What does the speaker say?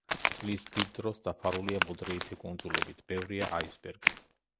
წლის დიდ დროს დაფარულია მოდრეიფე ყინულებით, ბევრია აისბერგი.